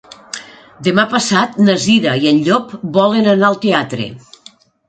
Demà passat na Cira i en Llop volen anar al teatre.